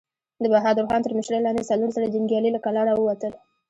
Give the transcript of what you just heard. د بهادر خان تر مشرۍ لاندې څلور زره جنګيالي له کلا را ووتل.